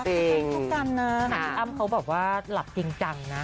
ใช่ค่ะอ้ำเขาบอกว่าหลับจริงจังนะ